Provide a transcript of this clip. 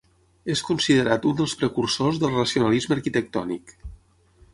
És considerat un dels precursors del racionalisme arquitectònic.